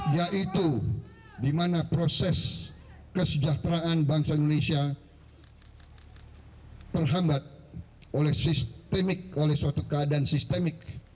yaitu di mana proses kesejahteraan bangsa indonesia terhambat oleh sistemik oleh suatu keadaan sistemik